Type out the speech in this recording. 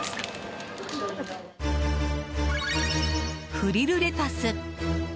フリルレタス。